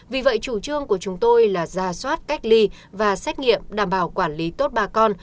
vì vậy chủ trương của chúng tôi là ra soát cách ly và xét nghiệm đảm bảo quản lý tốt bà con